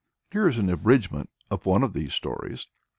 Here is an abridgment of one of these stories.